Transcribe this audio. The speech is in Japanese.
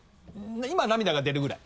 今涙が出るぐらい。